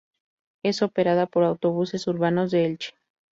Es operada por Autobuses Urbanos de Elche.